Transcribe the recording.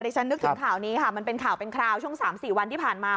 ฉันนึกถึงข่าวนี้ค่ะมันเป็นข่าวเป็นคราวช่วง๓๔วันที่ผ่านมา